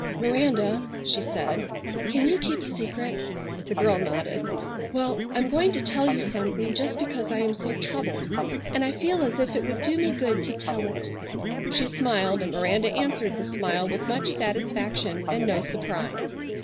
"Miranda," she said, "can you keep a secret?" The girl nodded. "Well, I'm going to tell you something, just because I am so troubled and I feel as if it would do me good to tell it." She smiled and Miranda answered the smile with much satisfaction and no surprise.